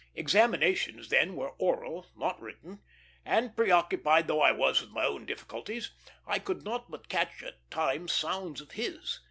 Examinations then were oral, not written; and, preoccupied though I was with my own difficulties, I could not but catch at times sounds of his.